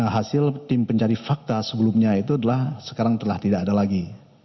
hasil tim pencari fakta sebelumnya itu adalah sekarang telah tidak ada lagi